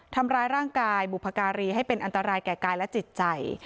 ทำร้ายร่างกายบุพการีให้เป็นอันตรายแก่กายและจิตใจ